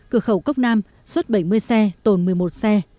cửa khẩu cốc nam xuất bảy mươi xe tồn một mươi một xe